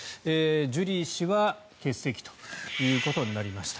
ジュリー氏は欠席ということになりました。